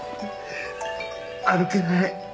歩けない。